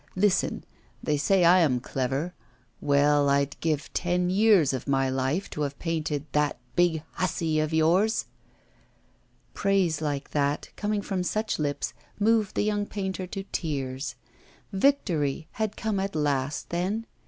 Listen! they say I am clever: well, I'd give ten years of my life to have painted that big hussy of yours.' Praise like that, coming from such lips, moved the young painter to tears. Victory had come at last, then?